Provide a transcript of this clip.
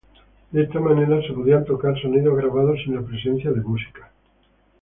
De esta manera se podían tocar sonidos grabados sin la presencia de músicos.